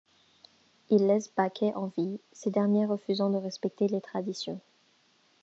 Il laisse Bakhait en vie, ce dernier refusant de respecter les traditions.